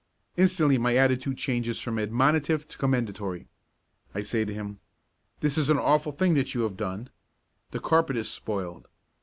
Instantly my attitude changes from admonitive to commendatory. I say to him: "This is an awful thing that you have done. The carpet is spoiled.